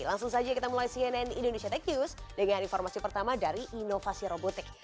langsung saja kita mulai cnn indonesia tech news dengan informasi pertama dari inovasi robotik